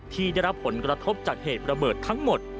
ที่ได้รับผลกระทบจากเหตุระเบิดทั้งหมด